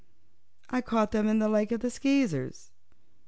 "I caught them in the Lake of the Skeezers."